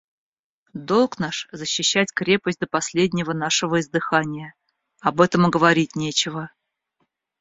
– Долг наш защищать крепость до последнего нашего издыхания; об этом и говорить нечего.